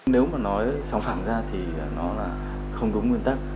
nếu mà nói sáng phản ra thì nó là không đúng nguyên tắc